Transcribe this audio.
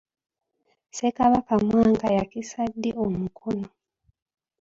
Ssekabaka Mwanga yakisa ddi omukono?